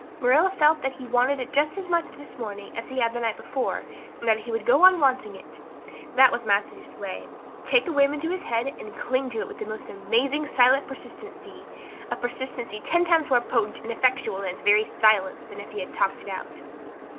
Marilla felt that he wanted it just as much this morning as he had the night before, and that he would go on wanting it. That was Matthew's way take a whim into his head and cling to it with the most amazing silent persistency a persistency ten times more potent and effectual in its very silence than if he had talked it out.